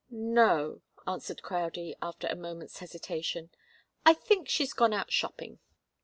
"No," answered Crowdie, after a moment's hesitation. "I think she's gone out shopping."